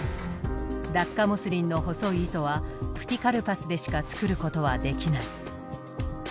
ダッカモスリンの細い糸はプティカルパスでしか作ることはできない。